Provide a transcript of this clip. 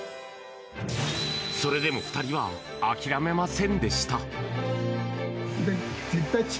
それでも２人は諦めませんでした。